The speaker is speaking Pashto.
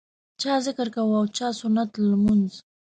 چا ذکر کاوه او چا سنت لمونځ.